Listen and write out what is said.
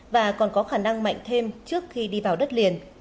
và còn có khả năng mạnh thêm trước khi đi vào đất liền